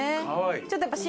ちょっとやっぱ。